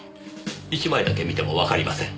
１枚だけ見てもわかりません。